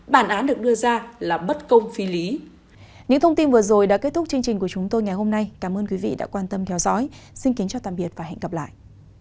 bản án được đưa ra là bất công phi lý